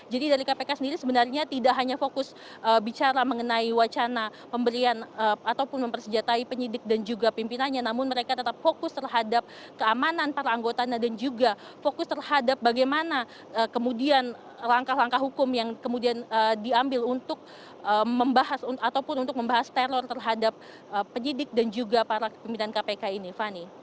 jadi dari kpk sendiri sebenarnya tidak hanya fokus bicara mengenai wacana pemberian ataupun mempersijatai penyidik dan juga pimpinannya namun mereka tetap fokus terhadap keamanan para anggotanya dan juga fokus terhadap bagaimana kemudian langkah langkah hukum yang kemudian diambil untuk membahas ataupun untuk membahas teror terhadap penyidik dan juga para pimpinan kpk ini fani